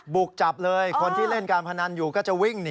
บุกจับเลยคนที่เล่นการพนันอยู่ก็จะวิ่งหนี